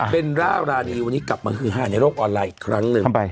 เป็นร่ารานีวันนี้กลับมาฮือฮาในโลกออนไลน์อีกครั้งหนึ่ง